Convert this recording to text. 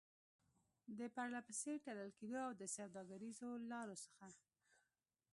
د پرلپسې تړل کېدو او د سوداګريزو لارو څخه